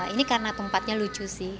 ini karena tempatnya lucu sih